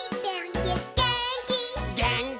「げーんき」